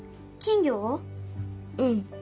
うん。